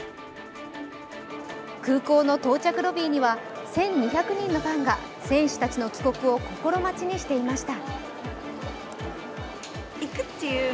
空港の到着ロビーには１２００人のファンが選手たちの帰国を心待ちにしていました。